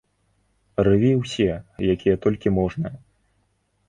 Рві ўсе, якія толькі можна.